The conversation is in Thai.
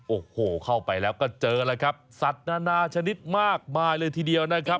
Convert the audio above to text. โอ้โหเข้าไปแล้วก็เจอแล้วครับสัตว์นานาชนิดมากมายเลยทีเดียวนะครับ